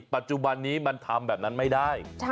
ปัจจุบันนี้มันทำแบบนั้นไม่ได้